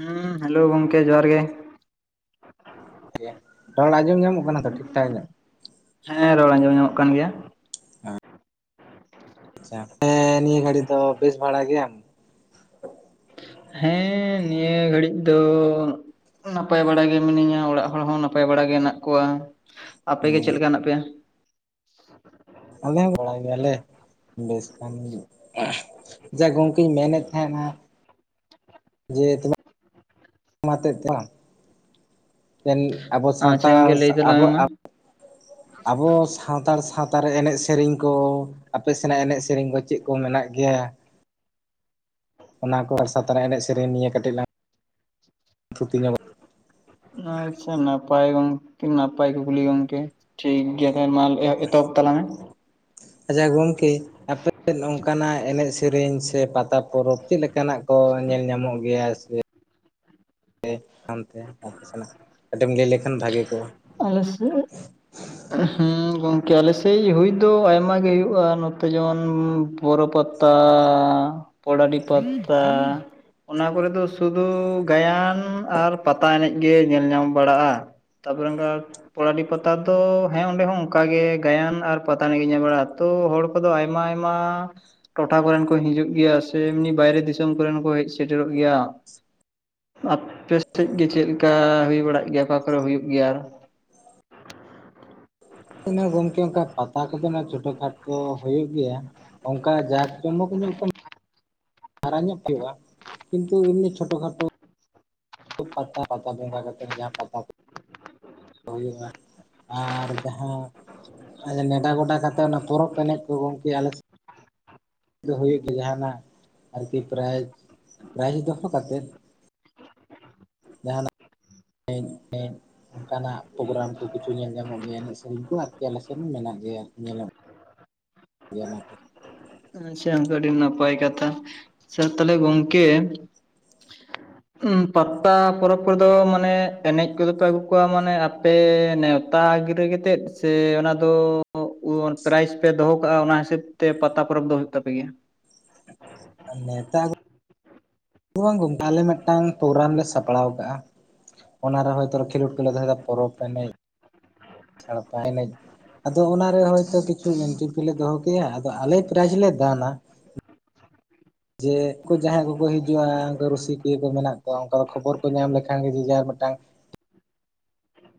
ᱦᱩᱸ ᱦᱮᱞᱳ ᱜᱚᱢᱠᱮ ᱡᱚᱦᱟᱨ ᱜᱮ᱾ ᱜᱮᱭᱟ, ᱨᱚᱲ ᱟᱸᱡᱚᱢ ᱧᱟᱢᱚᱜ ᱠᱟᱱᱟ ᱛᱚ ᱴᱷᱤᱠ ᱴᱷᱟᱠ ᱧᱚᱜ? ᱦᱮᱸ ᱨᱚᱲ ᱟᱸᱡᱚᱢ ᱧᱚᱜ ᱠᱟᱱ ᱜᱮᱭᱟ᱾ ᱟᱪᱪᱷᱟ ᱦᱮᱸ ᱱᱤᱭᱟᱹ ᱜᱷᱟᱹᱲᱤ ᱫᱚ ᱵᱮᱥ ᱵᱷᱟᱲᱟ ᱜᱮᱭᱟᱢ? ᱦᱮᱸ ᱱᱤᱭᱟᱹ ᱜᱷᱟᱹᱲᱤᱡ ᱫᱚ ᱱᱟᱯᱟᱭ ᱵᱟᱲᱟᱟᱜᱮ ᱢᱤᱱᱟᱹᱧᱟ ᱚᱲᱟᱜ ᱦᱚᱲᱦᱚᱸ ᱱᱟᱯᱟᱭ ᱵᱟᱲᱟᱜᱮ ᱦᱮᱸᱱᱟᱜ ᱠᱚᱣᱟ, ᱟᱯᱮᱜᱮ ᱪᱮᱫ ᱞᱮᱠᱟ ᱦᱮᱸᱱᱟᱜ ᱯᱮᱭᱟ? ᱟᱞᱮ ᱵᱟᱲᱟᱭ ᱜᱮᱭᱟᱞᱮ ᱵᱮᱥ ᱠᱷᱟᱱ ᱡᱟ ᱜᱚᱢᱠᱮᱧ ᱢᱮᱱᱮᱫ ᱛᱟᱦᱮᱸᱱᱟ ᱡᱮ [unintelligible] [unintelligible] ᱟᱵᱚ ᱟᱪᱪᱷᱟ ᱥᱟᱱᱛᱟᱲ ᱜᱚᱝᱠᱮ ᱞᱟᱹᱭ ᱛᱟᱞᱟᱝ ᱟᱵᱚ ᱢᱮ ᱟᱵᱚ ᱥᱟᱱᱛᱟᱲ ᱥᱟᱶᱛᱟ ᱨᱮ ᱮᱱᱮᱡ ᱥᱮᱨᱮᱧ ᱠᱚ ᱟᱯᱮ ᱥᱮᱱᱟᱜ ᱮᱱᱮᱡ ᱥᱮᱨᱮᱧ ᱠᱚ ᱪᱮᱫ ᱠᱚ ᱢᱮᱱᱟᱜ ᱜᱮᱭᱟ ᱚᱱᱟ ᱠᱚ ᱟᱥᱟ ᱛᱱᱟᱜ ᱮᱱᱮᱡ ᱥᱮᱨᱮᱧ ᱱᱤᱭᱟᱹ ᱠᱟᱹᱴᱤᱡ ᱞᱟᱝ ᱛᱷᱩᱛᱤ ᱧᱚᱜᱟ ᱾ ᱟᱪᱪᱷᱟ ᱱᱟᱯᱟᱭ ᱜᱚᱢᱠᱮ ᱱᱟᱯᱟᱭ ᱠᱩᱠᱞᱤ ᱜᱚᱢᱠᱮ ᱾ ᱴᱷᱤᱠ ᱜᱮᱭᱟ ᱠᱷᱟᱱ ᱢᱟᱞ ᱮᱦ ᱮᱛᱚᱦᱚᱵ ᱛᱟᱞᱟᱝ ᱢᱮ ᱾ ᱟᱪᱪᱷᱟ ᱜᱚᱝᱠᱮ ᱟᱯᱮ ᱥᱮᱫ ᱚᱱᱠᱟᱱᱟᱜ ᱮᱱᱮᱡ ᱥᱮᱨᱮᱧ ᱥᱮ ᱯᱟᱛᱟ ᱯᱚᱨᱚᱵᱽ ᱪᱮᱫ ᱞᱮᱠ ᱠᱟᱱᱟᱜ ᱠᱚ ᱧᱮᱞ ᱧᱟᱢᱚᱜ ᱜᱮᱭᱟ? ᱥᱮ ᱦᱟᱱᱛᱮ ᱟᱯᱮ ᱥᱮᱱᱟᱜ ᱠᱟᱹᱴᱤᱡ ᱮᱢ ᱞᱟᱹᱭ ᱞᱮᱠᱷᱟᱱ ᱵᱷᱟᱜᱤ ᱠᱚᱜᱼᱟ ᱾ ᱟᱞᱮ ᱥᱮᱜ [inaudible] ᱦᱮᱸ ᱜᱚᱝᱠᱮ ᱟᱞᱮᱥᱮᱜ ᱦᱩᱭ ᱫᱚ ᱟᱭᱢᱟ ᱜᱮ ᱦᱩᱭᱩᱜᱼᱟ ᱱᱚᱛᱮ ᱡᱮᱢᱚᱱ ᱾ ᱵᱚᱨᱚ ᱯᱟᱛᱟ, ᱯᱚᱲᱟᱰᱤ ᱯᱟᱛᱟ ᱚᱱᱟ ᱠᱚᱨᱮ ᱫᱚ ᱥᱩᱫᱩ ᱜᱟᱭᱟᱱ ᱟᱨ ᱯᱟᱛᱟ ᱮᱱᱮᱡ ᱜᱮ ᱧᱮᱞ ᱧᱟᱢ ᱵᱟᱲᱟᱜᱼᱟ ᱾ ᱛᱟᱯᱚᱨᱮ ᱚᱝᱠᱟ ᱯᱚᱲᱟᱰᱤ ᱯᱟᱛᱟ ᱫᱚ, ᱦᱮᱸ ᱚᱸᱰᱮ ᱦᱚᱸ ᱚᱝᱠᱟᱜᱮ ᱜᱟᱭᱟᱱ ᱟᱨ ᱯᱟᱛᱟ ᱮᱱᱮᱡ ᱜᱮ ᱧᱮᱞ ᱵᱟᱲᱟᱜᱼᱟ ᱾ ᱚᱛᱳ ᱦᱚᱲ ᱠᱚᱫᱚ ᱟᱭᱢᱟ ᱟᱭᱢᱟ ᱴᱚᱴᱷᱟ ᱠᱚᱨᱮᱱ ᱠᱚ ᱦᱤᱡᱩᱜ ᱜᱮᱭᱟ ᱥᱮ ᱮᱢᱱᱤ ᱵᱟᱭᱨᱮ ᱫᱤᱥᱚᱢ ᱠᱚᱨᱮᱱ ᱦᱚᱠᱚ ᱦᱮᱡ ᱥᱮᱴᱮᱨᱚᱜ ᱜᱮᱭᱟ ᱾ ᱟᱯᱮ ᱥᱮᱜ ᱜᱮ ᱪᱮᱜ ᱞᱮᱠᱟ ᱦᱩᱭ ᱵᱟᱲᱟᱜ ᱜᱮᱭᱟ ᱚᱠᱟ ᱠᱚᱨᱮ ᱦᱩᱭᱩᱜ ᱜᱮᱭᱟ ᱟᱨ? ᱤᱱᱟᱹ ᱜᱚᱝᱠᱮ ᱚᱝᱠᱟ ᱯᱟᱛᱟ ᱠᱚᱫᱚ ᱱᱟᱜ ᱪᱷᱳᱴᱳ ᱠᱷᱟᱴᱚ ᱦᱩᱭᱩᱜ ᱜᱮᱭᱟ ᱾ ᱚᱝᱠᱟ ᱡᱟᱠ ᱡᱚᱢᱚᱠ ᱧᱚᱜ ᱛᱚ ᱦᱟᱨᱟ ᱧᱚᱜ ᱦᱩᱭᱩᱜ-ᱟ, ᱠᱤᱱᱛᱩ ᱮᱢᱱᱤ ᱪᱷᱳᱴᱚ ᱠᱷᱟᱴᱳ ᱯᱟᱛᱟ ᱯᱟᱛᱟ ᱵᱚᱸᱜᱟ ᱠᱟᱛᱮᱫ ᱡᱟᱦᱟᱸ ᱯᱟᱛᱟ ᱦᱩᱭᱩᱜᱼᱟ ᱟᱨ ᱡᱟᱦᱟᱸ ᱱᱮᱸᱰᱟ ᱜᱚᱰᱟ ᱠᱟᱛᱮ ᱚᱱᱟ ᱯᱚᱨᱚᱵᱽ ᱮᱱᱮᱡ ᱠᱚ ᱜᱚᱝᱠᱮ ᱟᱞᱮ ᱫᱚ ᱦᱩᱭᱩᱜ ᱜᱮ ᱡᱟᱦᱟᱱᱟᱜ ᱟᱨᱠᱤ ᱯᱨᱟᱭᱤᱡᱽ ᱯᱨᱟᱭᱤᱡᱽ ᱫᱚᱦᱚ ᱠᱟᱛᱮᱫ ᱾ ᱡᱟᱦᱱᱟᱜ [unintelligible] ᱚᱝᱠᱟᱱᱟᱜ ᱯᱨᱳᱜᱨᱟᱢ ᱠᱚ ᱠᱤᱪᱷᱩ ᱧᱮᱞ ᱧᱟᱢᱚᱜ ᱜᱮᱭᱟ ᱮᱱᱮᱜ ᱥᱮᱨᱮᱧ ᱠᱚ ᱟᱨᱠᱤ ᱟᱞᱮ ᱥᱮᱱ ᱢᱮᱱᱟᱜ ᱜᱮᱭᱟ ᱧᱮᱞᱚᱜ ᱜᱮᱭᱟ ᱱᱟᱜ ᱾ ᱟᱪᱪᱷᱟ ᱜᱚᱝᱠᱮ ᱟᱹᱰᱤ ᱱᱟᱯᱟᱭ ᱠᱟᱛᱷᱟ, ᱟᱪᱪᱷᱟ ᱛᱟᱦᱚᱞᱮ ᱜᱚᱝᱠᱮ [unintelligible] ᱩᱸ ᱯᱟᱛᱟ ᱯᱚᱨᱚᱵᱽ ᱠᱚᱨᱮ ᱫᱚ ᱢᱟᱱᱮ ᱮᱱᱮᱡ ᱠᱚᱫᱚ ᱯᱮ ᱟᱹᱜᱩ ᱠᱚᱣᱟ ᱢᱟᱱᱮ ᱟᱯᱮ ᱱᱮᱣ ᱛᱟ ᱜᱤᱨᱟᱹ ᱠᱮᱛᱮᱫ, ᱥᱮ ᱚᱱᱟ ᱫᱚ ᱩ ᱯᱨᱟᱭᱤᱡ ᱯᱮ ᱫᱚᱦᱚ ᱠᱟᱜᱼᱟ ᱚᱱᱟ ᱦᱤᱥᱟᱹᱵᱽ ᱛᱮ ᱯᱟᱛᱟ ᱯᱚᱨᱚᱵᱽ ᱫᱚ ᱦᱩᱭᱩᱜ ᱛᱟᱯᱮ ᱜᱮᱭᱟ? ᱟᱨ ᱱᱮᱣᱛᱟ [unintelligible] ᱵᱟᱝ ᱜᱚᱝᱠᱮ ᱟᱞᱮ ᱢᱮᱫᱴᱟᱝ ᱯᱨᱳᱜᱨᱟᱢ ᱞᱮ ᱥᱟᱯᱲᱟᱣ ᱠᱟᱜᱼᱟ ᱾ ᱚᱱᱟ ᱨᱮ ᱦᱚᱭ ᱛᱚ ᱠᱷᱮᱞᱳᱰ ᱠᱚᱞᱮ ᱫᱚᱦᱚᱭ ᱫᱟ ᱯᱚᱨᱚᱵ ᱮᱱᱮᱡ, ᱥᱟᱲᱯᱟ ᱮᱱᱮᱡ ᱟᱫᱚ ᱚᱱᱟᱨᱮ ᱦᱚᱭᱛᱳ ᱠᱤᱪᱷᱩ ᱮᱱᱴᱨᱤᱯᱷᱤ ᱞᱮ ᱫᱚᱦᱚ ᱠᱮᱜ-ᱟ ᱟᱫᱚ ᱟᱞᱮ ᱯᱨᱟᱭᱤᱡᱽ ᱞᱮ ᱫᱟᱱᱟ ᱾ ᱡᱮ ᱩᱱᱠᱩ ᱡᱟᱦᱟᱸᱭ ᱠᱚᱠᱚ ᱦᱤᱡᱩᱜᱼᱟ ᱩᱱᱠᱩ ᱨᱩᱥᱤᱠᱤᱭᱟᱹ ᱠᱚ ᱢᱮᱱᱟᱜ ᱠᱚᱣᱟ ᱚᱱᱠᱟ ᱫᱚ ᱠᱷᱚᱵᱚᱨ ᱠᱚ ᱧᱟᱢ ᱞᱮᱠᱷᱟᱱ ᱜᱮ ᱡᱮ ᱡᱟᱦᱟᱸ ᱢᱤᱫᱴᱟᱝ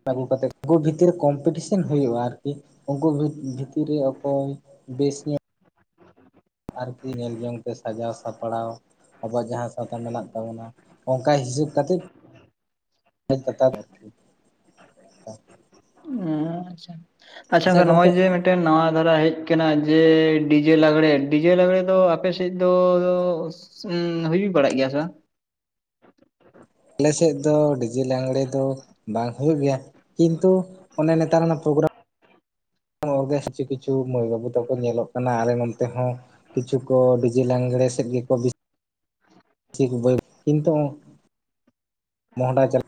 ᱟᱹᱜᱩ ᱠᱟᱛᱮᱜ ᱩᱱᱠᱩ ᱵᱷᱤᱛᱤᱨ ᱠᱚᱢᱯᱤᱴᱤᱥᱮᱱ ᱦᱩᱭᱩᱜᱼᱟ ᱟᱨᱠᱤ ᱩᱝᱠᱩ ᱵᱷᱤᱛ ᱵᱷᱤᱛᱤᱨ ᱨᱮ ᱚᱠᱚᱭ‌ ᱵᱮᱥ ᱧᱚᱜ ᱟᱨᱠᱤ ᱧᱮᱞ ᱡᱚᱝ ᱛᱮ ᱥᱟᱡᱟᱣ ᱥᱟᱯᱲᱟᱣ ᱾ ᱟᱵᱚᱣᱟᱜ ᱡᱟᱦᱟᱸ ᱥᱟᱶᱛᱟ ᱢᱮᱱᱟᱜ ᱛᱟᱵᱚᱱᱟ ᱚᱝᱠᱟ ᱦᱤᱥᱟᱹᱵ ᱠᱟᱛᱮᱫ [unintelligible] ᱦᱮᱸ ᱟᱪᱪᱷᱟ, ᱟᱪᱪᱷᱟ ᱱᱚᱜᱼᱚᱭ ᱡᱮ ᱢᱤᱫᱴᱮᱱ ᱱᱚᱣᱟ ᱫᱷᱟᱨᱟ ᱦᱮᱡ ᱠᱟᱱᱟ ᱡᱮ ᱰᱤᱡᱮ ᱞᱟᱜᱽᱲᱮ ᱰᱤᱡᱮ ᱞᱟᱜᱽᱲᱮ ᱫᱚ ᱟᱯᱮ ᱥᱮᱡ ᱫᱚ᱾ ᱩ ᱦᱩᱭ ᱵᱟᱲᱟᱜ ᱜᱮᱭᱟ ᱥᱮ ᱵᱟᱝ᱾ ᱟᱞᱮᱥᱮᱜ ᱫᱚ ᱰᱤᱡᱮ ᱞᱟᱜᱽᱲᱮ ᱫᱚ ᱵᱟᱝ ᱦᱩᱭᱩᱜ ᱜᱮᱭᱟ ᱠᱤᱱᱛᱩ ᱚᱱᱮ ᱱᱮᱛᱟᱨ ᱚᱱᱮ ᱯᱨᱳᱜᱨᱟᱢ᱾ ᱚᱨᱜᱮᱥ ᱠᱤᱪᱷᱩ ᱠᱤᱪᱷᱩ ᱢᱟᱹᱭ ᱵᱟᱹᱵᱩ ᱛᱟᱠᱚ ᱧᱮᱞᱚᱜ ᱠᱟᱱᱟ ᱟᱞᱮ ᱱᱚᱱᱛᱮ ᱦᱚᱸ᱾ ᱠᱤᱪᱷᱩ ᱠᱚ ᱰᱤᱡᱮ ᱞᱟᱝᱲᱮ ᱥᱮᱫ ᱜᱮᱠᱚ᱾ ᱵᱮᱥᱤ ᱠᱚ ᱠᱤᱱᱛᱩ ᱢᱚᱦᱰᱟ ᱪᱟᱞᱟᱜ᱾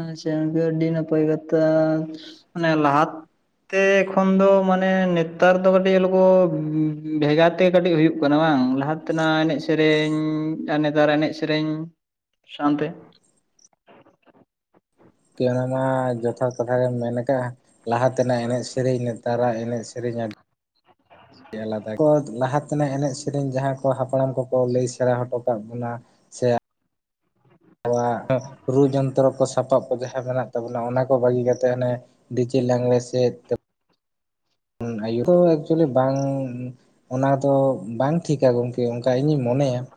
ᱟᱪᱪᱷᱟ ᱟᱹᱰᱤ ᱱᱟᱯᱟᱹᱭ ᱠᱟᱛᱟ ᱢᱟᱱᱮ ᱞᱟᱦᱟ᱾ ᱛᱮ ᱠᱷᱚᱱ ᱫᱚ ᱢᱟᱱᱮ ᱱᱮᱛᱟᱨ ᱫᱚ ᱠᱟᱹᱴᱤᱡ ᱚᱞᱠᱚ ᱵᱷᱮᱜᱟᱨ᱾ ᱛᱮᱜᱮ ᱠᱟᱹᱴᱤᱡ ᱦᱩᱭᱩᱜ ᱠᱟᱱᱟ ᱵᱟᱝ ᱞᱟᱦᱟ ᱛᱮᱱᱟᱜ ᱮᱱᱮᱡ ᱥᱮᱨᱮᱧ ᱟᱨ ᱱᱮᱛᱟᱨᱟᱜ ᱮᱱᱮᱡ ᱥᱮᱨᱮᱧ᱾ ᱥᱟᱶᱱ ᱛᱮ ᱠᱤ ᱚᱱᱟ ᱢᱟ ᱡᱚᱛᱷᱟᱛ ᱠᱟᱛᱷᱟ ᱜᱮᱢ ᱢᱮᱱ ᱠᱟᱜᱼᱟ᱾ ᱞᱟᱦᱟ ᱛᱮᱱᱟᱜ ᱮᱱᱮᱡ ᱥᱮᱨᱮᱧ ᱱᱮᱛᱟᱨᱟᱜ ᱮᱱᱮᱡ ᱥᱮᱨᱮᱧ ᱟᱹᱰᱤ [inaudible] ᱟᱞᱟᱫᱟ ᱜᱮᱭᱟ ᱠᱚ ᱞᱟᱦᱟ ᱛᱮᱱᱟᱜ ᱮᱱᱮᱡ ᱥᱮᱨᱮᱧ ᱡᱟᱦᱟᱸ ᱠᱚ ᱦᱟᱯᱲᱟᱢ ᱠᱚᱠᱚ ᱞᱟᱹᱭ ᱥᱮᱲᱟ ᱦᱚᱴᱚ ᱠᱟᱜ ᱵᱚᱱᱟ ᱥᱮ᱾ ᱟᱵᱳᱭᱟᱜ ᱨᱩ ᱡᱚᱱᱛᱨᱚ ᱠᱚ ᱥᱟᱯᱟᱵ ᱠᱚ ᱡᱟᱦᱟᱸ ᱢᱮᱱᱟᱜ ᱛᱟᱵᱚᱱᱟ ᱚᱱᱟ ᱠᱚ ᱵᱟᱹᱜᱤ ᱠᱟᱛᱮᱫ ᱦᱟᱱᱮ᱾ ᱰᱤᱪᱮ ᱞᱟᱝᱲᱮ ᱥᱮᱫ ᱟᱭᱩ ᱠᱚ ᱮᱠᱪᱩᱭᱮᱞᱤ ᱵᱟᱝ᱾ ᱚᱱᱟ ᱫᱚ ᱵᱟᱝ ᱴᱷᱤᱠᱟ ᱜᱚᱝᱠᱮ, ᱚᱱᱠᱟ ᱤᱧᱤᱧ ᱢᱚᱱᱮᱭᱟ ᱾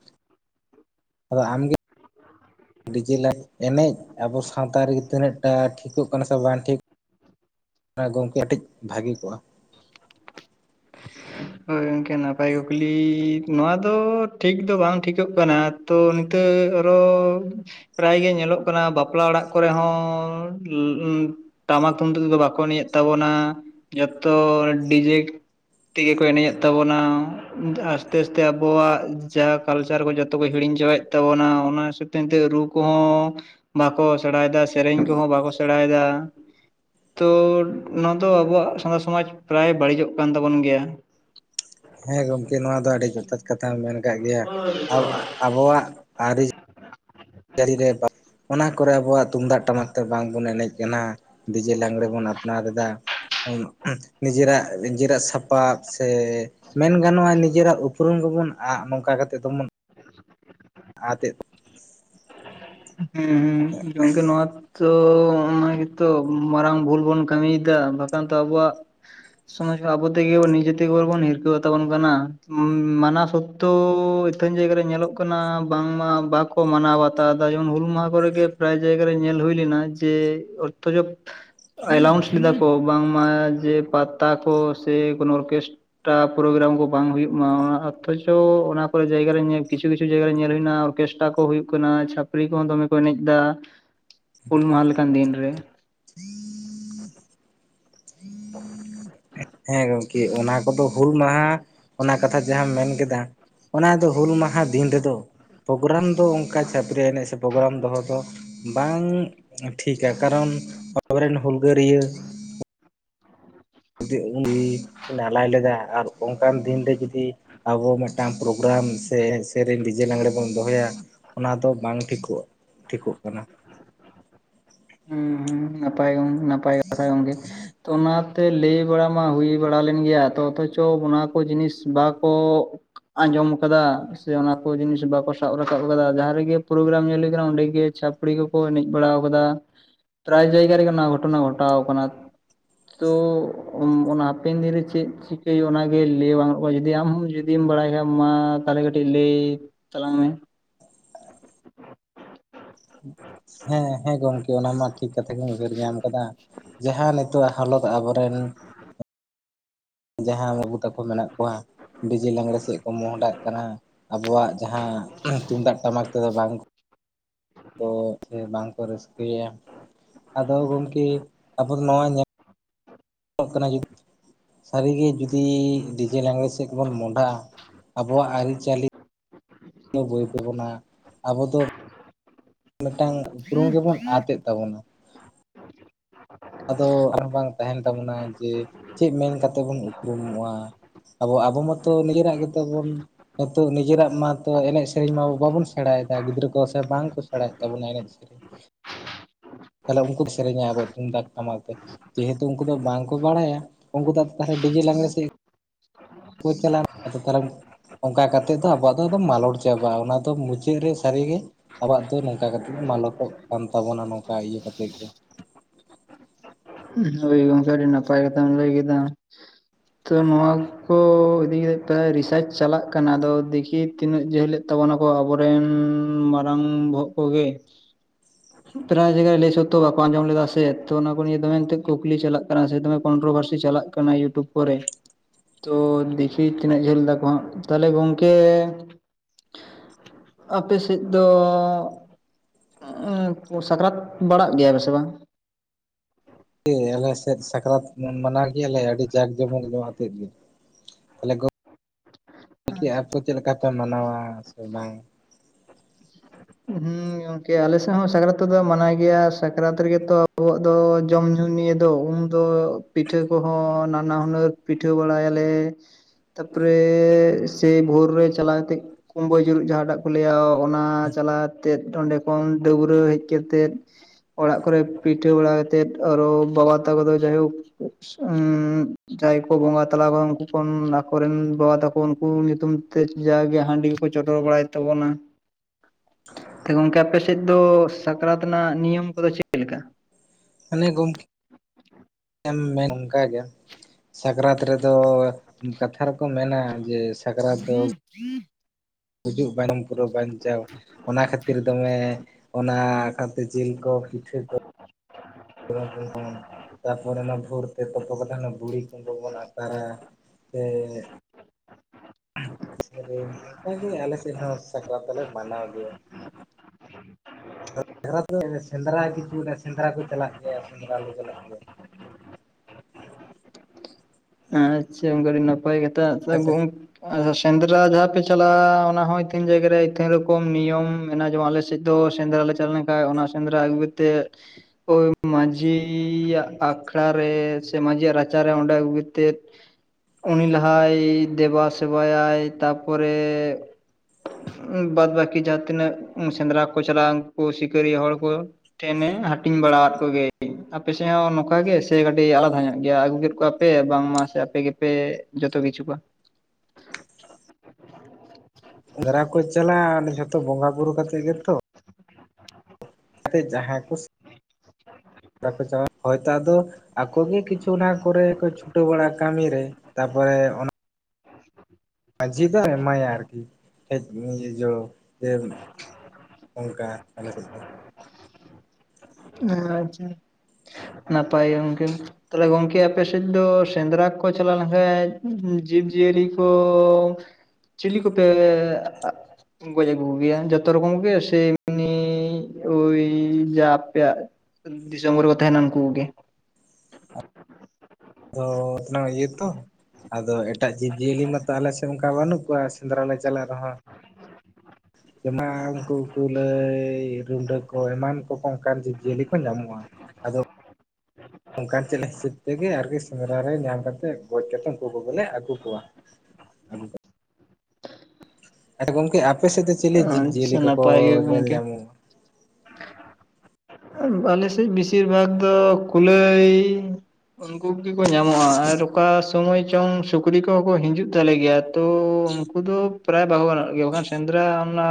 ᱟᱫᱚ ᱟᱢ ᱜᱮ ᱰᱤᱡᱮ ᱞᱟ ᱮᱱᱮᱡ ᱟᱵᱚ ᱥᱟᱶᱛᱟ ᱨᱮᱜᱮ ᱛᱤᱱᱟᱹᱜ ᱴᱟ ᱴᱷᱤᱠᱚᱜ ᱠᱟᱱᱟ ᱥᱮ ᱵᱟᱝ ᱴᱷᱤᱠ᱾ ᱚᱱᱟ ᱜᱚᱝᱠᱮ ᱠᱟᱹᱴᱤᱡ ᱵᱷᱟᱹᱜᱤ ᱠᱚᱜᱼᱟ ᱾ ᱦᱳᱭ ᱜᱚᱝᱠᱮ, ᱱᱟᱯᱟᱭ ᱠᱩᱠᱞᱤ ᱱᱚᱣᱟ ᱫᱚ ᱴᱷᱤᱠ ᱫᱚ ᱵᱟᱝ ᱴᱷᱤᱠᱚᱜ ᱠᱟᱱᱟ ᱾ ᱛᱚ ᱱᱤᱛᱚᱜ ᱟᱨᱚ᱾ ᱯᱨᱟᱭ ᱜᱮ ᱧᱮᱞᱚᱜ ᱠᱟᱱᱟ ᱵᱟᱯᱞᱟ ᱚᱲᱟᱜ ᱠᱚᱨᱮ ᱦᱚᱸ [inaudible] ᱴᱟᱢᱟᱠ ᱛᱩᱢᱫᱟᱜ ᱛᱮᱫᱚ ᱵᱟᱠᱚ ᱮᱱᱮᱡ ᱛᱟᱵᱚᱱᱟ ᱡᱚᱛᱚ ᱰᱤᱡᱮ᱾ ᱛᱮᱜᱮ ᱠᱚ ᱮᱱᱮᱡᱮᱫ ᱛᱟᱵᱚᱱᱟ ᱟᱥᱛᱮ ᱟᱥᱛᱮ ᱟᱵᱚᱣᱟᱜ ᱡᱟᱦᱟᱸ ᱠᱟᱞᱪᱟᱨ ᱠᱚ ᱡᱚᱛᱚ ᱠᱚ ᱦᱤᱲᱤᱧ᱾ ᱛᱟᱵᱚᱱᱟ ᱚᱱᱟ ᱦᱤᱥᱟᱹᱵ ᱛᱮ ᱱᱤᱛᱚᱜ ᱨᱩ ᱠᱚᱦᱚᱸ ᱵᱟᱠᱚ ᱥᱮᱬᱟᱭᱮᱫᱟ, ᱥᱮᱨᱮᱧ ᱠᱚᱦᱚᱸ ᱵᱟᱠᱚ᱾ ᱵᱟᱲᱟᱭᱮᱫᱟ ᱾ ᱛᱚ ᱱᱚᱣᱟ ᱫᱚ ᱟᱵᱚᱣᱟᱜ ᱥᱟᱶᱛᱟ ᱥᱚᱢᱟᱡᱽ ᱯᱨᱟᱭ ᱵᱟᱹᱲᱤᱡᱚᱜ ᱠᱟᱱ ᱛᱟᱵᱚᱱ ᱜᱮᱭᱟ ᱾ ᱦᱮᱸ ᱜᱚᱝᱠᱮ, ᱱᱚᱣᱟ ᱫᱚ ᱟᱹᱰᱤ ᱡᱚᱛᱷᱟᱛ ᱠᱟᱛᱷᱟ ᱢᱮᱱ ᱠᱟᱜ ᱜᱮᱭᱟ, ᱟᱵᱚᱣᱟᱜ ᱟᱹᱨᱤ᱾ ᱡᱟᱹᱨᱤ ᱨᱮ [inaudible] ᱚᱱᱟ ᱠᱚᱨᱮ ᱟᱵᱚᱣᱟᱜ ᱛᱩᱢᱫᱟᱜ ᱴᱟᱢᱟᱠ ᱛᱮ ᱵᱟᱝᱵᱚᱱ ᱮᱱᱮᱡ ᱠᱟᱱᱟ, ᱰᱤᱡᱮ ᱞᱟᱜᱽᱬᱮ ᱵᱚᱱ ᱟᱯᱱᱟᱨ ᱮᱫᱟ ᱾ ᱱᱤᱡᱮᱨᱟᱜ ᱱᱤᱡᱮᱨᱟᱜ ᱥᱟᱯᱟᱯ ᱥᱮ᱾ ᱢᱮᱱ ᱜᱟᱱᱚᱜᱼᱟ ᱱᱤᱡᱮᱨᱟᱜ ᱩᱯᱨᱩᱢ ᱠᱚᱵᱚᱱ ᱟᱜ ᱱᱚᱝᱠᱟ ᱠᱟᱛᱮ ᱫᱚᱵᱚᱱ᱾ [unintelligible] ᱦᱩᱸ ᱦᱩᱸ, ᱜᱚᱝᱠᱮ ᱱᱚᱣᱟ᱾ ᱛᱚ ᱚᱱᱟ ᱜᱮᱛᱚ ᱢᱟᱨᱟᱝ ᱵᱷᱩᱞ ᱵᱚᱱ ᱠᱟᱹᱢᱤᱭᱮᱫᱟ, ᱵᱟᱠᱷᱟᱱ ᱛᱚ ᱟᱵᱚᱣᱟᱜ᱾ ᱥᱚᱢᱟᱡ ᱟᱵᱚ ᱛᱮᱜᱮ ᱱᱤᱡᱮ ᱛᱮᱜᱮᱵᱚᱱ ᱦᱤᱨᱠᱟᱹᱣ ᱟᱛᱟᱵᱚᱱ ᱠᱟᱱᱟ, ᱢᱟᱱᱟ ᱥᱚᱛ᱾ ᱛᱚ ᱤᱛᱩᱷᱟᱹᱱ ᱡᱟᱭᱜᱟ ᱨᱮ ᱧᱮᱞᱚᱜ ᱠᱟᱱᱟ, ᱵᱟᱝᱢᱟ ᱵᱟᱠᱚ ᱢᱟᱱᱟᱣ ᱵᱟᱛᱟᱣ᱾ ᱡᱮᱢᱚᱱ ᱦᱩᱞ ᱢᱟᱦᱟ ᱠᱚᱨᱮ ᱜᱮ ᱯᱨᱟᱭ ᱡᱟᱭᱜᱟ ᱨᱮ ᱧᱮᱞ ᱦᱩᱭ ᱞᱮᱱᱟ ᱡᱮ ᱚᱛᱷᱚ ᱪᱚ᱾ ᱮᱞᱟᱣᱩᱱᱥ ᱞᱮᱫᱟ ᱠᱚ ᱵᱟᱝᱢᱟ ᱡᱮ ᱯᱟᱛᱟ ᱠᱚ ᱥᱮ ᱠᱳᱱᱳ ᱚᱨᱮᱠᱮᱥ᱾ ᱴᱟᱨ ᱯᱨᱳᱜᱨᱟᱢ ᱠᱚ ᱵᱟᱝ ᱦᱩᱭᱩᱜ ᱢᱟ, ᱚᱱᱟ ᱚᱛᱷᱚᱪᱚ ᱚᱱᱟ ᱠᱚᱨᱮ ᱡᱟᱭᱜᱟ ᱧᱮᱞ ᱠᱤᱪᱷᱩ ᱠᱤᱪᱷᱩ ᱡᱟᱭᱜᱟ ᱨᱮ ᱧᱮᱞ ᱦᱩᱭᱱᱟ ᱚᱨ [inaudible] ᱥᱴᱟᱨ ᱠᱚ ᱦᱩᱭᱩᱜ ᱠᱟᱱᱟ, ᱪᱷᱟᱯᱨᱤ ᱠᱚᱦᱚᱸ ᱫᱚᱢᱮ ᱠᱚ ᱮᱱᱮᱡ ᱫᱟ, ᱦᱩᱞ ᱢᱟᱦᱟ ᱞᱮᱠᱟᱱ ᱫᱤᱱ ᱨᱮ ᱾ [unintelligible] ᱦᱮᱸ ᱜᱚᱝᱠᱮ, ᱚᱱᱟ ᱠᱚᱫᱚ ᱦᱩᱞ ᱢᱟᱦᱟ ᱚᱱᱟ ᱠᱟᱛᱷᱟ ᱡᱟᱦᱟᱸᱢ ᱢᱮᱱ ᱠᱮᱫᱟ᱾ ᱚᱱᱟ ᱫᱚ ᱦᱩᱞ ᱢᱟᱦᱟ ᱫᱤᱱ ᱨᱮᱫᱚ ᱯᱨᱳᱜᱨᱟᱢ ᱫᱚ ᱚᱱᱠᱟ ᱪᱟᱹᱯᱨᱤ ᱮᱱᱮᱡ ᱥᱮ ᱯᱨᱳᱜᱨᱟᱢ ᱫᱚᱦᱚ ᱫᱚ᱾ ᱵᱟᱝ ᱴᱷᱤᱠᱟ ᱠᱟᱨᱚᱱ ᱟᱵᱚᱨ ᱨᱮᱱ ᱦᱩᱞᱜᱟᱹᱨᱤᱭᱟᱹ ᱡᱤᱭᱤ ᱠᱤᱱ ᱟᱞᱟᱭ ᱞᱮᱫᱟ ᱟᱨ ᱚᱱᱠᱟᱱ ᱫᱤᱱ ᱨᱮ ᱡᱩᱫᱤ ᱟᱵᱚ ᱢᱤᱫᱴᱟᱝ ᱯᱨᱳᱜᱨᱟᱢ ᱥᱮ ᱥᱮᱨᱮᱧ ᱰᱤᱡᱮ ᱞᱟᱜᱽᱬᱮ ᱵᱚᱱ ᱫᱚᱦᱚᱭᱟ ᱚᱱᱟ ᱫᱚ ᱵᱟᱝ ᱴᱷᱤᱠᱚᱜ, ᱴᱷᱤᱠᱚᱜ ᱠᱟᱱᱟ᱾ ᱦᱩᱸ ᱦᱩᱸ, ᱱᱟᱯᱟᱭ ᱱᱟᱯᱟᱭ ᱠᱟᱛᱷᱟ ᱜᱚᱝᱠᱮ᱾ ᱛᱚ ᱚᱱᱟᱛᱮ ᱞᱟᱹᱭ ᱵᱟᱲᱟ ᱢᱟ ᱦᱩᱭ ᱵᱟᱲᱟ ᱞᱮᱱ ᱜᱮᱭᱟ, ᱛᱚ ᱚᱛᱷᱚᱪᱚ ᱚᱱᱟ ᱠᱚ ᱡᱤᱱᱤᱥ ᱵᱟᱠᱚ ᱟᱸᱡᱚᱢ ᱠᱟᱫᱟ ᱥᱮ ᱚᱱᱟ ᱠᱚ ᱡᱤᱱᱤᱥ ᱵᱟᱠᱚ ᱥᱟᱵ ᱨᱟᱠᱟᱵ ᱟᱠᱟᱫᱟ ᱡᱟᱦᱟᱸ ᱨᱮᱜᱮ ᱯᱨᱳᱜᱨᱟᱢ ᱧᱮᱞ ᱦᱩᱭ ᱟᱠᱟᱱᱟ, ᱚᱸᱰᱮᱜᱮ ᱪᱷᱟᱹᱯ ᱠᱩᱲᱤ ᱠᱚᱠᱚ ᱮᱱᱮᱡ ᱵᱟᱲᱟ ᱠᱟᱫᱟ᱾ ᱯᱨᱟᱭ ᱡᱟᱭᱜᱟ ᱨᱮᱜᱮ ᱱᱚᱣᱟ ᱜᱷᱚᱴᱚᱱᱟ ᱜᱷᱚᱴᱟᱣ ᱠᱟᱱᱟ᱾ ᱛᱚ ᱚᱱᱟ ᱦᱟᱯᱮᱱ ᱫᱤᱱ ᱨᱮ ᱪᱮᱫ ᱪᱤᱠᱟᱹᱭ ᱦᱩᱭᱩᱜ-ᱟ? ᱚᱱᱟ ᱜᱮ ᱞᱟᱹᱭ ᱵᱟᱝ-ᱟ ᱡᱩᱫᱤ ᱟᱢ ᱦᱚᱸ ᱡᱤᱫᱤᱢ ᱵᱟᱲᱟᱭ ᱠᱷᱟᱡ ᱢᱟ ᱛᱟᱦᱚᱞᱮ ᱠᱟᱹᱴᱤᱡ ᱞᱟᱹᱭ ᱪᱟᱞᱟᱝ ᱢᱮ᱾ [unintelligible] ᱦᱮᱸ ᱦᱮᱸ ᱜᱚᱝᱠᱮ, ᱚᱱᱟ ᱢᱟ ᱴᱷᱤᱠ ᱠᱟᱛᱷᱟ ᱜᱮᱢ ᱩᱭᱦᱟᱹᱨ ᱧᱟᱢ ᱠᱟᱫᱟ᱾ ᱡᱟᱦᱟᱸ ᱱᱤᱛᱚᱜ ᱦᱟᱞᱚᱛ ᱟᱵᱚᱨᱮᱱ ᱡᱟᱦᱟᱸ ᱵᱟᱹᱵᱩ ᱛᱟᱠᱚ ᱢᱮᱱᱟᱜ ᱠᱚᱣᱟ᱾ ᱰᱤᱡᱮ ᱞᱟᱜᱽᱲᱮ ᱥᱮᱫ ᱠᱚ ᱢᱚᱦᱰᱟᱜ ᱠᱟᱱᱟ, ᱟᱵᱚᱣᱟᱜ ᱡᱟᱦᱟᱸ ᱛᱩᱢᱫᱟᱜ ᱴᱟᱢᱟᱠ ᱛᱮᱫᱚ ᱵᱟᱝ ᱥᱮ ᱵᱟᱝ ᱠᱚ ᱨᱟᱹᱥᱠᱟᱹᱭᱟ ᱟᱫᱚ ᱜᱚᱝᱠᱮ ᱟᱵᱚ ᱫᱚ ᱱᱚᱣᱟ ᱠᱟᱱᱟ ᱡᱩ ᱥᱟᱹᱨᱤᱜᱮ ᱡᱩᱫᱤ ᱰᱤᱡᱮ ᱞᱟᱜᱽᱲᱮ ᱥᱮᱫ ᱵᱚᱱ ᱢᱚᱦᱰᱟᱜ-ᱟ ᱟᱵᱚᱣᱟᱜ ᱟᱹᱨᱤᱪᱟᱹᱞᱤ ᱵᱳ ᱛᱟᱵᱚᱱᱟ ᱟᱵᱚ ᱫᱚ ᱢᱤᱫᱴᱟᱝ ᱩᱯᱨᱩᱢ ᱜᱮᱵᱩᱱ ᱟᱫᱮᱫ ᱛᱟᱵᱚᱱᱟ᱾ ᱟᱫᱚ ᱟᱨᱦᱚᱸ ᱵᱟᱝ ᱛᱟᱦᱮᱱ ᱛᱟᱵᱚᱱᱟ, ᱡᱮ ᱪᱮᱫ ᱢᱮᱱ ᱠᱟᱛᱮ ᱵᱚᱱ ᱩᱯᱨᱩᱢᱚᱜ-ᱟ᱾ ᱟᱵᱚ ᱟᱵᱚ ᱢᱚᱛᱚ ᱱᱤᱡᱮᱨᱟᱜ ᱜᱮᱛᱚ ᱵᱚᱱ ᱱᱤᱛᱚᱜ ᱱᱤᱡᱮᱨᱟᱜ ᱢᱟᱛᱚ ᱮᱱᱮᱡ ᱥᱮᱨᱮᱧ ᱢᱟ ᱵᱟᱵᱚᱱ ᱥᱮᱬᱟᱭ ᱫᱟ ᱜᱤᱫᱽᱨᱟᱹ ᱠᱚ ᱥᱮ ᱵᱟᱝᱠᱚ ᱥᱮᱬᱟᱭᱮᱫ ᱛᱟᱵᱚᱱᱟ ᱮᱱᱮᱡ ᱥᱮᱨᱮᱧ᱾ ᱛᱟᱞᱦᱮ ᱩᱱᱠᱩᱫ ᱥᱮᱨᱮᱧᱟ ᱟᱵᱚᱞᱟᱜ ᱛᱩᱢᱫᱟᱜ ᱴᱟᱢᱟᱠ ᱛᱮ᱾ ᱡᱮᱦᱮ ᱛᱩ ᱩᱱᱠᱩ ᱫᱚ ᱵᱟᱝ ᱠᱚ ᱵᱟᱲᱟᱭᱟ ᱩᱱᱠᱩ ᱫᱚ ᱛᱟᱦᱮᱞᱮ ᱰᱤᱡᱮ ᱞᱟᱝᱲᱮ ᱥᱮ [inaudible] ᱱᱚᱝᱠᱟ ᱠᱟᱛᱮᱜ ᱫᱚ ᱟᱵᱚᱣᱟᱜ ᱫᱚ ᱵᱚᱱ ᱢᱟᱞᱚᱴ ᱪᱟᱵᱟᱜ-ᱟ ᱚᱱᱟ ᱫᱚ ᱢᱩᱪᱟᱹᱫ ᱨᱮ ᱥᱟᱨᱤ ᱜᱮ ᱟᱵᱚᱣᱟᱜ ᱫᱚ ᱱᱚᱝᱠᱟ ᱠᱟᱛᱮ ᱢᱟᱞᱚᱴᱚᱜ ᱠᱟᱱ ᱛᱟᱵᱚᱱᱟ ᱱᱚᱝᱠᱟ ᱤᱭᱟᱹ ᱠᱟᱛᱮ ᱜᱮ ᱦᱳᱭ ᱜᱚᱝᱠᱮ ᱟᱹᱰᱤ ᱱᱟᱯᱟᱭ ᱠᱟᱛᱷᱟᱢ ᱞᱟᱹᱭ ᱠᱮᱫᱟ᱾ ᱛᱚ ᱱᱚᱣᱟ ᱠᱚ ᱤᱫᱤ ᱠᱟᱛᱮ ᱯᱨᱟᱭ ᱨᱤᱥᱟᱨᱪ ᱪᱟᱞᱟᱜ ᱠᱟᱱᱟ ᱟᱫᱚ ᱫᱤᱠᱷᱤ ᱛᱤᱱᱟᱹᱜ ᱡᱷᱟᱹᱞᱮᱫ ᱛᱟᱵᱚᱱᱟᱠᱚ ᱟᱵᱚᱨᱮᱱ ᱢᱟᱨᱟᱝ ᱵᱚᱦᱚᱜ ᱠᱚᱜᱮ᱾ [inaudible] ᱯᱨᱟᱭ ᱡᱟᱭᱜᱟ ᱨᱮ ᱞᱟᱹᱭ ᱥᱚᱛᱛᱚ ᱵᱟᱠᱚ ᱟᱸᱡᱚᱢ ᱞᱮᱫᱟ ᱥᱮ ᱛᱚ ᱚᱱᱟ ᱠᱚ ᱱᱤᱭᱟᱹ ᱫᱚᱢᱮ ᱠᱩᱠᱞᱤ ᱪᱟᱞᱟᱜ ᱠᱟᱱᱟ ᱥᱮ ᱫᱚᱢᱮ ᱠᱚᱱᱴᱨᱳᱵᱷᱟᱨᱥᱤ ᱪᱟᱞᱟᱜ ᱠᱟᱱᱟ ᱤᱭᱩᱴᱩᱵ ᱠᱚᱨᱮ᱾ ᱛᱚ ᱫᱮᱠᱷᱤ ᱛᱤᱱᱟᱹᱜ ᱡᱷᱟᱹᱞ ᱫᱟᱠᱚ ᱦᱟᱸᱜ ᱛᱟᱞᱚᱦᱮ ᱜᱚᱝᱠᱮ ᱟᱯᱮ ᱥᱮᱫ ᱫᱚ ᱥᱟᱠᱨᱟᱛ ᱵᱟᱲᱟᱜ ᱜᱮᱭᱟ ᱠᱚᱥᱮ ᱵᱟᱝ? ᱟᱞᱮ ᱥᱮᱫ ᱥᱟᱠᱨᱟᱛ ᱢᱟᱱᱟᱣ ᱜᱮᱭᱟᱞᱮ ᱟᱹᱰᱤ ᱡᱟᱠ ᱡᱚᱢᱚᱠ ᱧᱚᱜ ᱟᱛᱮᱫ ᱜᱮ ᱜᱚᱝᱠᱮ ᱟᱯᱮ ᱪᱮᱫᱞᱮᱠᱟ ᱯᱮ ᱢᱟᱱᱟᱣᱟ ᱥᱮ ᱵᱟᱝ ᱦᱩᱸ ᱜᱚᱝᱠᱮ ᱟᱞᱮ ᱥᱮᱫ ᱦᱚᱸ ᱥᱟᱠᱨᱟᱛ ᱫᱚ ᱢᱟᱱᱟᱣ ᱜᱮᱭᱟ ᱥᱟᱠᱨᱟᱛ ᱨᱮᱜᱮ ᱛᱚ ᱟᱵᱚᱣᱟᱜ ᱫᱚ ᱡᱚᱢ ᱧᱩ ᱱᱤᱭ ᱫᱚ ᱩᱱ ᱫᱚ ᱯᱤᱴᱷᱟᱹ ᱠᱚᱦᱚᱸ ᱱᱟᱱᱟ ᱦᱩᱱᱟᱹᱨ ᱯᱤᱴᱷᱟᱹ ᱵᱟᱲᱟᱭᱟᱞᱮ ᱛᱟᱯᱚᱨᱮ ᱥᱮᱭ ᱵᱷᱳᱨ ᱨᱮ ᱪᱟᱞᱟ ᱠᱟᱛᱮ ᱠᱩᱢᱵᱟᱹ ᱡᱩᱨᱩᱜ ᱡᱟᱦᱟᱸᱴᱟᱜ ᱠᱚ ᱞᱟᱹᱭ ᱟ ᱚᱱᱟ ᱪᱟᱞᱟ ᱟᱛᱮᱫ ᱚᱸᱰᱮ ᱠᱷᱚᱱ ᱰᱟᱹᱵᱽᱨᱟᱹ ᱦᱮᱡ ᱠᱟᱛᱮᱫ ᱚᱲᱟᱜ ᱠᱚᱨᱮ ᱯᱤᱴᱷᱟᱹ ᱵᱟᱲᱟ ᱟᱛᱮᱫ, ᱟᱨᱚ ᱵᱟᱵᱟ ᱛᱟᱠᱚ ᱫᱚ ᱡᱟᱭᱦᱳᱠ ᱼᱼ ᱩᱸ [inaudible] ᱡᱟᱦᱟᱸᱭ ᱠᱚ ᱵᱚᱸᱜᱟ ᱛᱟᱞᱟ ᱠᱚ ᱩᱱᱠᱩ ᱠᱷᱚᱱ ᱟᱠᱚᱨᱮᱱ ᱵᱟᱵᱟ ᱛᱟᱠᱚ ᱩᱱᱠᱩ ᱧᱩᱛᱩᱢᱼᱼ ᱛᱮ ᱡᱟᱣᱜᱮ ᱦᱟᱺᱰᱤ ᱠᱚᱠᱚ ᱪᱚᱰᱚᱨ ᱵᱟᱲᱟᱭᱮᱫ ᱛᱟᱵᱚᱱᱟ ᱾ ᱛᱚ ᱜᱚᱝᱠᱮ ᱟᱯᱮ ᱥᱮᱫ ᱫᱚ ᱥᱟᱠᱨᱟᱛ ᱨᱮᱱᱟᱜ ᱱᱤᱭᱚᱢ ᱠᱚᱫᱚ ᱪᱮᱜ ᱞᱮᱠᱟ? ᱦᱟᱱᱮ ᱜᱚᱝ [inaudible] ᱠᱮ ᱢᱮᱱ ᱚᱱᱠᱟ ᱜᱮᱭᱟ ᱾ ᱥᱟᱠᱨᱟᱛ ᱨᱮᱫᱚ, ᱠᱟᱛᱷᱟ ᱨᱮᱠᱚ ᱢᱮᱱᱟ ᱡᱮ ᱥᱟᱠᱨᱟᱛ ᱫᱚ ᱼᱼ [inaudible] ᱜᱩᱡᱩᱜ [inaudible] ᱵᱟᱧᱪᱟᱣᱼᱼ ᱚᱱᱟ ᱠᱷᱟᱛᱤᱨ ᱫᱚᱢᱮ, ᱚᱱᱟ ᱠᱷᱟᱥᱤ ᱡᱤᱞ ᱠᱚ ᱯᱤᱴᱷᱟᱹ ᱠᱚᱼᱼ [inaudible] ᱛᱟᱨᱯᱚᱨᱮ ᱚᱱᱟ ᱵᱷᱳᱨ ᱛᱮ ᱛᱳᱯᱳ ᱠᱟᱛᱮᱜ ᱦᱟᱱᱮ ᱵᱩᱲᱦᱤ ᱠᱩᱢᱵᱟᱹ ᱵᱚᱱ ᱟᱛᱟᱨᱟ ᱾ [inaudible] [inaudible] ᱱᱚᱝᱠᱟ ᱜᱮ ᱟᱞᱮ ᱥᱮᱫ ᱦᱚᱸ ᱥᱟᱠᱨᱟᱛ ᱫᱚᱞᱮ ᱢᱟᱱᱟᱣ ᱜᱮᱭᱟ ᱾ [unintelligible] [inaudible] ᱥᱮᱸᱫᱽᱨᱟ ᱠᱤᱪᱷᱩ ᱞᱮ, ᱥᱮᱸᱫᱽᱨᱟ ᱠᱚ ᱪᱟᱞᱟᱜ ᱜᱮᱭᱟ ᱥᱮᱸᱫᱽᱨᱟ ᱞᱮ ᱪᱟᱞᱟᱜ ᱜᱮᱭᱟ ᱾ ᱟᱪᱪᱷᱟ ᱜᱚᱝᱠᱮ ᱟᱹᱰᱤ ᱱᱟᱯᱟᱭ ᱠᱟᱛᱷᱟ ᱟᱪᱪᱷᱟ ᱜᱚᱝᱼᱼ ᱟ [inaudible] ᱥᱮᱸᱫᱽᱨᱟ ᱡᱟᱦᱟᱸ ᱯᱮ ᱪᱟᱞᱟᱜᱼᱟ, ᱚᱱᱟ ᱦᱚᱸ ᱛᱤᱱ ᱡᱟᱭᱜᱟ ᱨᱮ ᱛᱤᱱ ᱨᱚᱠᱚᱢ ᱱᱤᱭᱚᱢ ᱢᱮᱱᱟᱜᱼᱟ, ᱡᱮᱢᱚᱱ ᱟᱞᱮ ᱼᱼ ᱟᱞᱮ ᱥᱮᱫ ᱫᱚ ᱥᱮᱸᱫᱽᱨᱟ ᱞᱮ ᱪᱟᱞᱟ ᱞᱮᱱᱠᱷᱟᱡ ᱚᱱᱟ ᱥᱮᱸᱫᱽᱨᱟ ᱟᱜᱩ ᱠᱟᱛᱮᱜᱼᱼ ᱦᱳᱭ ᱢᱟᱺᱡᱷᱤᱻ ᱭᱟᱜ ᱟᱠᱷᱲᱟ ᱨᱮ ᱥᱮ ᱢᱟᱺᱡᱷᱤ ᱭᱟᱜ ᱨᱟᱪᱟᱨᱮ ᱚᱸᱰᱮ ᱟᱜᱼᱼ ᱛᱮᱫ, ᱩᱱᱤ ᱞᱟᱦᱟᱭ ᱫᱮᱵᱟ ᱥᱮᱵᱟᱭᱟᱭ ᱛᱟᱯᱚᱨᱮ ᱼᱼ ᱵᱟᱫᱽ ᱵᱟᱠᱤ ᱡᱟᱦᱟᱸ ᱛᱤᱱᱟᱹᱜ ᱥᱮᱸᱫᱽᱨᱟ ᱠᱚ ᱪᱟᱞᱟᱜᱼᱟ, ᱩᱱᱠᱩ ᱥᱤᱠᱟᱹᱨᱤᱭᱟᱹ ᱦᱚᱲ ᱠᱚ ᱼᱼ ᱴᱷᱮᱱᱮ ᱦᱟᱹᱴᱤᱧ ᱵᱟᱲᱟᱣᱟᱫ ᱠᱚᱜᱮ, ᱟᱯᱮ ᱥᱮᱫ ᱦᱚᱸ ᱱᱚᱝᱠᱟ ᱜᱮ ᱥᱮ ᱠᱟᱹᱴᱤᱡ ᱟᱞᱟᱫᱟ ᱧᱚᱜ ᱜᱮᱭᱟ ᱟᱜᱩ ᱠᱮᱫ ᱠᱚᱣᱟ ᱯᱮ ᱼᱼ ᱵᱟᱝ ᱢᱟ ᱥᱮ ᱟᱯᱮ ᱜᱮᱯᱮ, ᱡᱚᱛᱚ ᱠᱤᱪᱷᱩᱜᱼᱟ? ᱥᱮᱸᱫᱽᱨᱟ ᱠᱚ ᱪᱟᱞᱟᱜᱼᱟ, ᱚᱫᱚ ᱡᱷᱚᱛᱚ ᱵᱚᱸᱜᱟ ᱵᱩᱨᱩ ᱠᱟᱛᱮ ᱜᱮᱛᱚ ᱾ ᱡᱟᱦᱟᱸᱭ ᱠᱚ ᱵᱟᱠᱟ ᱪᱟᱞᱟᱜ, ᱦᱚᱭᱛᱚ ᱟᱫᱚᱼᱼ ᱟᱠᱚ ᱜᱮ ᱠᱤᱪᱷᱩ ᱚᱱᱟ ᱠᱚᱨᱮ ᱠᱚ ᱪᱷᱩᱴᱟᱹ ᱵᱟᱲᱟ ᱠᱟᱢᱤ ᱨᱮ ᱛᱟᱯᱚᱨᱮ [inaudible] [unintelligible] ᱢᱟᱺᱡᱷᱤ ᱫᱚᱭ ᱮᱢᱟᱭᱟ ᱟᱨᱠᱤ ᱦᱮᱡᱤᱭᱟᱹ [unintelligible] ᱡ ᱡᱮ ᱚᱱᱠᱟ ᱦ ᱢᱮᱥᱡᱽ [unintelligible] ᱫᱚ ᱟᱪᱪᱷᱟ, ᱱᱟᱯᱟᱭ ᱜᱮ ᱜᱚᱝᱠᱮ ᱾ ᱛᱟᱦᱞᱮ ᱜᱚᱝᱠᱮ ᱟᱯᱮ ᱥᱮᱫ ᱫᱚ ᱥᱮᱸᱫᱽᱨᱟ ᱠᱚ ᱪᱟᱞᱟᱣ ᱞᱮᱱᱠᱷᱟᱡ ᱡᱤᱵᱽᱡᱤᱭᱟᱹᱞᱤ ᱠᱚᱼᱼ ᱪᱤᱞᱤ ᱠᱚᱯᱮ ᱜᱚᱡ ᱟᱹᱜᱩ ᱠᱚᱜᱮᱭᱟ, ᱡᱚᱛᱚ ᱨᱚᱠᱚᱢ ᱜᱮ ᱥᱮᱼᱼ ᱳᱭ ᱡᱟ ᱟᱯᱮᱭᱟᱜ, ᱫᱤᱥᱚᱢ ᱨᱮᱠᱚ ᱛᱟᱸᱦᱮᱱᱟ ᱩᱱᱠᱩ ᱠᱚᱜᱮ ᱾ ᱟᱫᱚ ᱚᱛᱱᱟ ᱤᱭᱟᱹ ᱛᱚ ᱟᱫᱚ ᱮᱴᱟᱜ ᱡᱤᱵᱽᱡᱤᱭᱟᱹᱞᱤ ᱢᱟᱛᱚ ᱟᱞᱮ ᱥᱮᱫ ᱚᱱᱠᱟ ᱵᱟᱹᱱᱩᱜ ᱠᱚᱣᱟ ᱥᱮ ᱾ ᱥᱮᱸᱫᱽᱨᱟ ᱞᱮ ᱪᱟᱞᱟᱜ ᱨᱮᱦᱚᱸᱼᱼ ᱮᱢᱟᱱ ᱩᱱᱠᱩ ᱠᱩᱞᱟᱹᱭ, ᱨᱩᱸᱰᱟᱹ ᱠᱚ ᱮᱢᱟᱱ ᱠᱚᱠᱚ ᱚᱱᱠᱟᱱ ᱡᱤᱵᱽᱼᱡᱤᱭᱟᱹᱞᱤ ᱠᱚ ᱧᱟᱢᱚᱜᱼᱟ ᱾ ᱚᱱᱠᱟᱱ ᱪᱮᱫ ᱦᱤᱥᱟᱹᱵᱽ ᱛᱮᱜᱮ ᱟᱨᱠᱤ ᱥᱚᱦᱨᱟᱭ ᱨᱮ ᱧᱟᱢ ᱠᱟᱛᱮᱫ ᱜᱚᱡ ᱠᱟᱛᱮᱫ ᱩᱱᱠᱩ ᱠᱚᱜᱮ ᱞᱮ ᱟᱹᱜᱩ ᱠᱚᱣᱟ ᱾ ᱟ [inaudible] ᱟᱪᱪᱷᱟ ᱜᱚᱝᱠᱮ ᱟᱯᱮ ᱥᱮᱫ ᱫᱚ ᱪᱤᱞᱤ ᱡᱤᱵᱽ ᱡᱤᱭᱟᱹᱞᱤ ᱟᱪᱪᱷᱟ ᱠᱚᱠᱚ ᱱᱟᱯᱟᱭ ᱜᱮ ᱧᱮᱞ ᱜᱚᱝᱠᱮ ᱧᱟᱢᱚᱜᱼᱟ? [inaudible] ᱟᱞᱮ ᱥᱮᱫ ᱵᱮᱥᱤᱨ ᱵᱷᱟᱜᱽ ᱫᱚ ᱠᱩᱞᱟᱹᱭᱼᱼ ᱩᱱᱠᱩᱜᱮ ᱠᱚ ᱧᱟᱢᱚᱜᱼᱟ, ᱟᱨ ᱚᱠᱟ ᱥᱚᱢᱚᱭ ᱪᱚᱝ ᱥᱩᱠᱨᱤ ᱠᱚᱦᱚᱸ ᱠᱚ ᱦᱤᱡᱩᱜ ᱛᱟᱞᱮ ᱜᱮᱭᱟ ᱾ ᱛᱚᱼᱼ ᱩᱱᱠᱩ ᱫᱚ ᱯᱨᱟᱭ ᱵᱟᱠᱚ ᱜᱟᱱᱚᱜ ᱜᱮᱭᱟ, ᱵᱟᱝᱠᱷᱟᱱ ᱥᱮᱸᱫᱽᱨᱟ ᱚᱱᱟᱼᱼ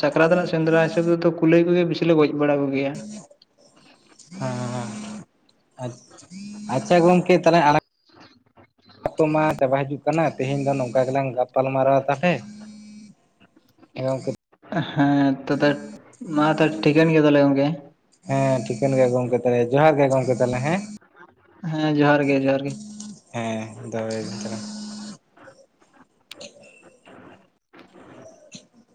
ᱥᱟᱠᱨᱟᱛ ᱨᱮᱱᱟᱜ ᱥᱮᱸᱫᱽᱨᱟ ᱦᱤᱥᱟᱹᱵᱽ ᱛᱮᱫᱚ ᱠᱩᱞᱟᱹᱭ ᱢᱩᱞᱟᱹᱭ ᱵᱮᱥᱤ ᱞᱮ ᱜᱚᱡ ᱵᱟᱲᱟ ᱠᱚᱜᱮᱭᱟ ᱾ [inaudible] ᱟᱪ, ᱟᱪᱪᱷᱟ ᱜᱚᱝᱠᱮ ᱛᱟᱦᱚᱞᱮ ᱟᱲᱟ [inaudible] ᱢᱟ ᱪᱟᱵᱟ ᱦᱤᱡᱩᱜ ᱼᱼ [unintelligible] ᱛᱮᱦᱮᱧ ᱫᱚ ᱱᱚᱝᱠᱟ ᱜᱮᱞᱟᱝ ᱜᱟᱯᱟᱞ ᱢᱟᱨᱟᱣᱟ ᱛᱟᱦᱚᱞᱮ [unintelligible] ᱦᱮᱸ ᱛᱚ ᱛᱟᱦᱠᱮ ᱢᱟ ᱛᱟᱦᱮ ᱴᱷᱤᱠᱟᱹᱱ ᱜᱮᱭᱟ ᱛᱟᱦᱚᱞᱮ ᱜᱚᱢᱠᱮ ᱦᱮᱸ ᱴᱷᱤᱠᱟᱹᱱ ᱜᱮᱭᱟ ᱜᱚᱢᱠᱮ ᱛᱟᱦᱮ ᱡᱚᱦᱟᱨ ᱜᱮ ᱜᱚᱢᱠᱮ ᱛᱟᱞᱦᱮ ᱦᱮᱸ ᱦᱮᱸ ᱡᱚᱦᱟᱨ ᱜᱮ ᱡᱚᱦᱟᱨ ᱜᱮ ᱦᱮᱸ ᱫᱚᱦᱚᱭᱫᱤᱧ ᱛᱟᱦᱮ